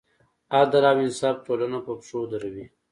عدل او انصاف ټولنه پر پښو دروي.